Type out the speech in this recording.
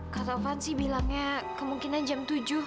kak taufan sih bilangnya kemungkinan jam tujuh